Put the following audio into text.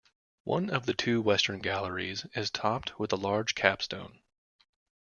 One of the two western galleries is topped with a large capstone.